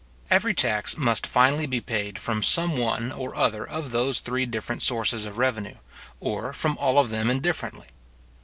Every tax must finally be paid from some one or other of those three different sources of revenue, or from all of them indifferently.